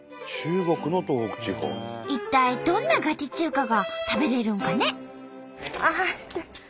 一体どんなガチ中華が食べれるんかね？